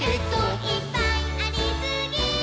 「いっぱいありすぎー！！」